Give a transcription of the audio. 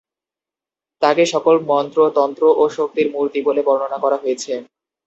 তাকে সকল মন্ত্র, তন্ত্র ও শক্তির মূর্তি বলে বর্ণনা করা হয়েছে।